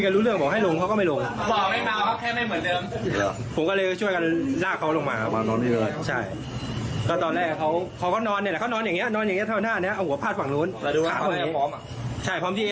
ลากกันลงมาก่อนและรถไฟก็ไปรถไฟมาพอดี